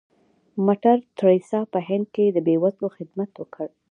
مدر ټریسا په هند کې د بې وزلو خدمت وکړ.